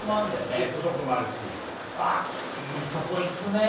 チケットショップもあるしああいいとこ行くね！